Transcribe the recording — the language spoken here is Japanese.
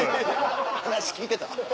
話聞いてた？